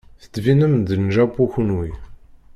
Tettbinem-d n Japu kunwi.